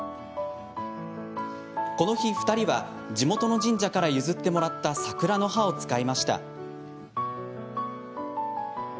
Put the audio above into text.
この日、２人は地元の神社から譲ってもらった桜の葉を使いました。